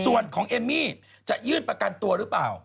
ส่วนของเอมมี่จะยื่นประกันตัวหรือเปล่า